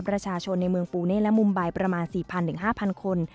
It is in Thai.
ประชาชนในเมืองปูเน่และมุมใบประมาณ๔๐๐๕๐๐คน